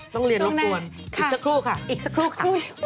ต้องเรียนรบกวนอีกสักครู่ค่ะ